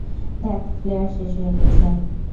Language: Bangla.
ধ্যাত, ফ্লেয়ার শেষ হয়ে গেছে!